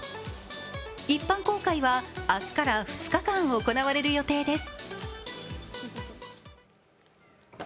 一般公開は明日から２日間行われる予定です。